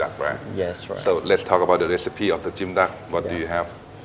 เกาหลีคนอ่ะ